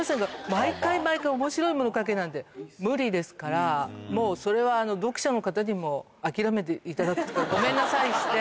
毎回毎回おもしろいもの書けなんて、無理ですから、もうそれは、読者の方にも諦めていただくと、ごめんなさいして。